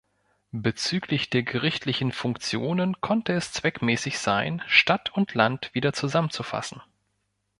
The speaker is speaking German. Bezüglich der gerichtlichen Funktionen konnte es zweckmäßig sein, Stadt und Land wieder zusammenzufassen.